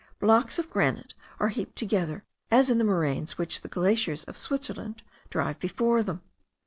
Blocks of granite are heaped together, as in the moraines which the glaciers of Switzerland drive before them.